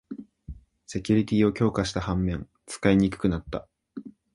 セキュリティーを強化した反面、使いにくくなった